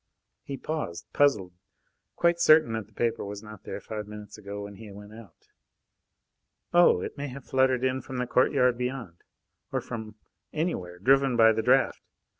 He paused, puzzled, quite certain that the paper was not there five minutes ago when he went out. Oh! it may have fluttered in from the courtyard beyond, or from anywhere, driven by the draught.